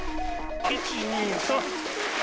１、２、３。